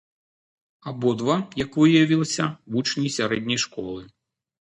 Абодва, як выявілася, вучні сярэдняй школы.